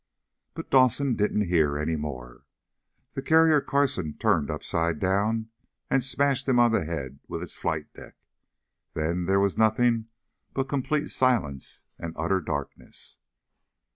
But Dawson didn't hear any more. The Carrier Carson turned upside down and smashed him on the head with its flight deck. Then there was nothing but complete silence and utter darkness.